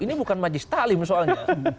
ini bukan majis talim soalnya